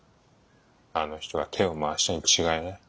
あの人が手を回したに違いない。